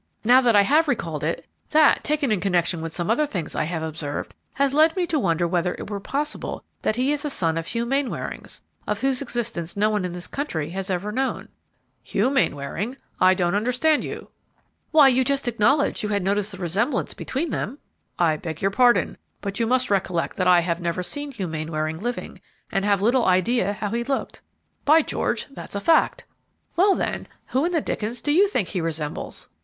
Now that I have recalled it, that, taken in connection with some other things I have observed, has led me to wonder whether it were possible that he is a son of Hugh Mainwaring's, of whose existence no one in this country has ever known." "Hugh Mainwaring! I don't understand you." "Why, you just acknowledged you had noticed the resemblance between them!" "I beg your pardon; but you must recollect that I have never seen Hugh Mainwaring living, and have little idea how he looked." "By George! that's a fact. Well, then, who in the dickens do you think he resembles?"